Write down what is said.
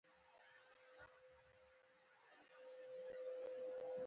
مالي نسکور د اقتصاد ضعف ښيي.